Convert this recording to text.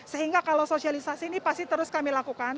sehingga kalau sosialisasi ini pasti terus kami lakukan